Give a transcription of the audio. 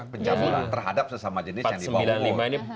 pencabulan terhadap sesama jenis yang di bawah umur